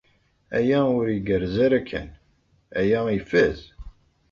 Aya ur igerrez ara kan. Aya ifaz!